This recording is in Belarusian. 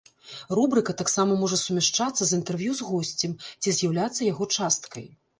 Рубрыка таксама можа сумяшчацца з інтэрв'ю з госцем ці з'яўляцца яго часткай.